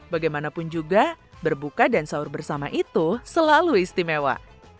bagaimanapun juga berbuka dan sahur bersama itu selalu istimewa